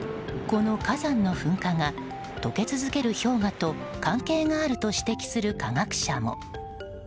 この火山の噴火が解け続ける氷河と関係があると指摘する科学者も。